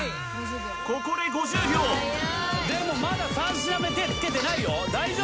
ここで５０秒でもまだ３品目手つけてないよ大丈夫？